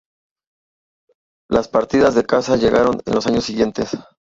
Las partidas de caza llegaron en los años siguientes.